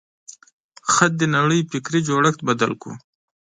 خط د نړۍ فکري جوړښت بدل کړ.